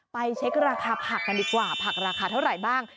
เช็คราคาผักกันดีกว่าผักราคาเท่าไหร่บ้าง